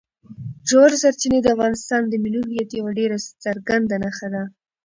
ژورې سرچینې د افغانستان د ملي هویت یوه ډېره څرګنده نښه ده.